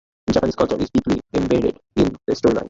Japanese culture is deeply embedded in the storyline.